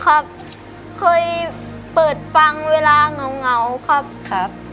ครับเคยเปิดฟังเวลาเหงาครับครับ